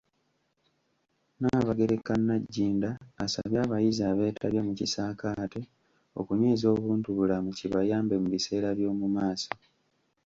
Nnaabagereka Nagginda asabye abayizi abeetabye mu kisaakaate okunyweza obuntubulamu, kibayambe mu biseera byomumaaso.